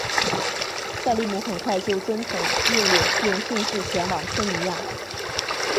塞利姆很快就遵从命令并迅速前往科尼亚。